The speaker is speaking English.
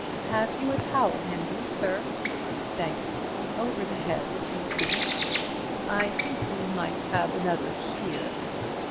Have you a towel handy, sir? Thank you. Over the head, if you please—I think we might have another here.